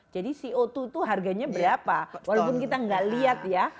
jadi co dua itu harganya berapa walaupun kita nggak lihat ya